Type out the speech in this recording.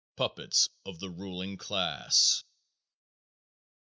_Puppets of the Ruling Class.